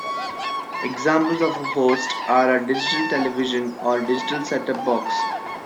Examples of a host are a digital television or digital set-top box.